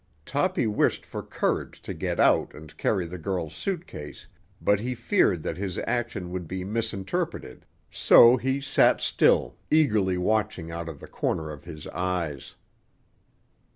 Toppy wished for courage to get out and carry the girl's suitcase, but he feared that his action would be misinterpreted; so he sat still, eagerly watching out of the corner of his eyes.